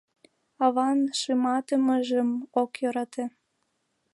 Аван шыматымыжым ок йӧрате.